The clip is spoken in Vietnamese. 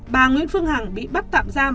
bà nguyễn phương hằng bị bắt tạm giam